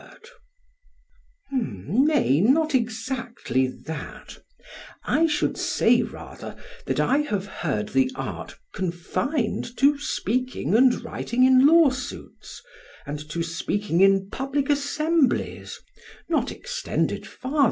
PHAEDRUS: Nay, not exactly that; I should say rather that I have heard the art confined to speaking and writing in lawsuits, and to speaking in public assemblies not extended farther.